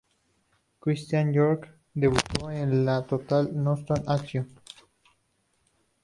Christian York debutó en la Total Nonstop Action.